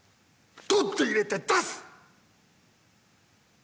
取って入れて出す！